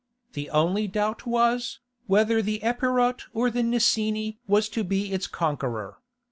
The only doubt was, whether the Epirot or the Nicene was to be its conqueror.